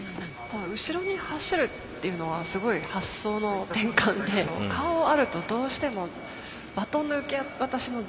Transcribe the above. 後ろに走るっていうのはすごい発想の転換で顔あるとどうしてもバトンの受け渡しの邪魔になるんですよ。